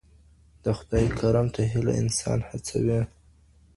د خداي کرم ته هیله انسان هڅوي.